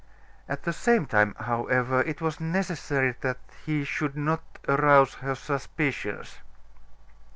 At the same time, however, it was necessary that he should not arouse her suspicions.